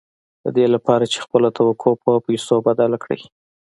د دې لپاره چې خپله توقع پر پيسو بدله کړئ.